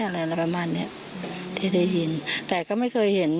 อะไรอะไรประมาณเนี้ยที่ได้ยินแต่ก็ไม่เคยเห็น